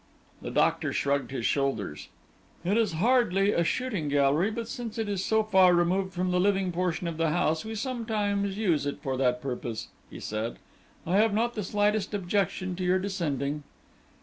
The doctor shrugged his shoulders. "It is hardly a shooting gallery, but since it is so far removed from the living portion of the house we sometimes use it for that purpose," he said. "I have not the slightest objection to your descending."